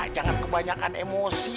jangan kebanyakan emosi